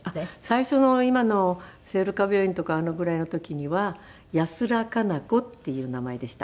最初の今の聖路加病院とかあのぐらいの時にはやすらかな子っていう名前でした。